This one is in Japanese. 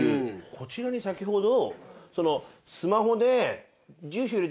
こちらに先ほど。